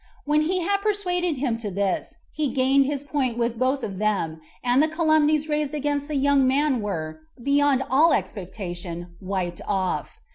When he had persuaded him to this, he gained his point with both of them; and the calumnies raised against the young man were, beyond all expectation, wiped off.